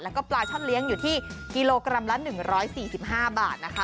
แล้วก็ปลาช่อนเลี้ยงอยู่ที่กิโลกรัมละ๑๔๕บาทนะคะ